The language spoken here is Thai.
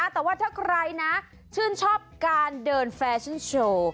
แต่ว่าถ้าใครนะชื่นชอบการเดินแฟชั่นโชว์